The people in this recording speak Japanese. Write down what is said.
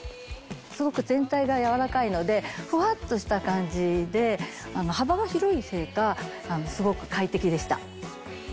すごく全体が柔らかいのでふわっとした感じで幅が広いせいかすごく快適でした。